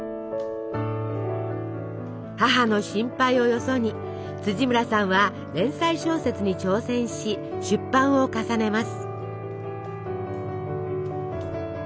母の心配をよそに村さんは連載小説に挑戦し出版を重ねます。